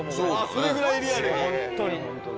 それぐらいリアルに。